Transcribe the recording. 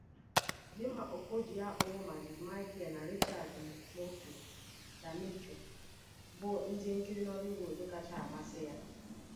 Dima-Okojie akpọwo Majid Michel na Richard Mofe-Damijo bụ ndị nkiri Nollywood kacha amasị ya.